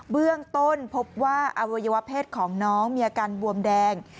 เบื้องต้นพบว่าอวัยวะเพศของน้องมีอาการบวมแดง